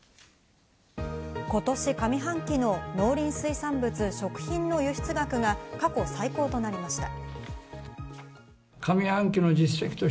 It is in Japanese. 今年上半期の農林水産物・食品の輸出額が、過去最高となりました。